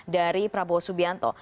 dari prabowo subianto